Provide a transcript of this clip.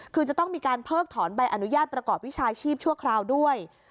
คือจะต้องมีการเพิกถอนใบอนุญาตประกอบวิชาชีพชั่วคราวด้วย